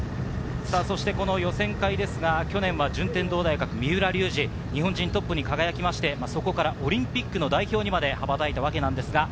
予選会は去年、順天堂大学・三浦龍司、日本人トップに輝いて、そこからオリンピックの代表にまで羽ばたいたわけです。